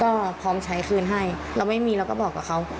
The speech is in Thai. ก็พร้อมใช้คืนให้เราไม่มีเราก็บอกกับเขา